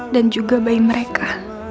dan juga bayi mereka